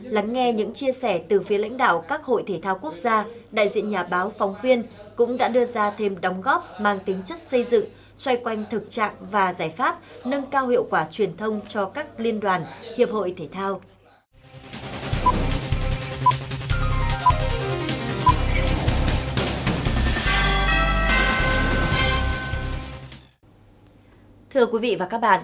lắng nghe những chia sẻ từ phía lãnh đạo các hội thể thao quốc gia đại diện nhà báo phóng viên cũng đã đưa ra thêm đóng góp mang tính chất xây dựng xoay quanh thực trạng và giải pháp nâng cao hiệu quả truyền thông cho các liên đoàn hiệp hội thể thao